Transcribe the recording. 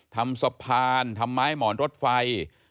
ทำสะพานทำไม้หมอนรถไฟ